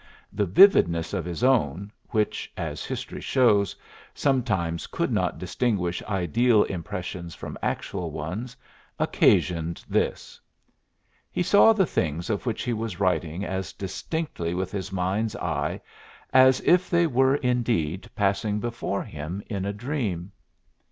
"The vividness of his own, which, as history shows, sometimes could not distinguish ideal impressions from actual ones, occasioned this. He saw the things of which he was writing as distinctly with his mind's eye as if they were, indeed, passing before him in a dream."